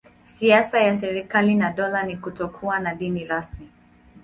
Siasa ya serikali na dola ni kutokuwa na dini rasmi.